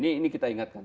nah ini kita ingatkan